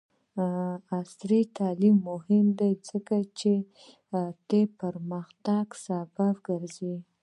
عصري تعلیم مهم دی ځکه چې د طبي پرمختګ سبب ګرځي.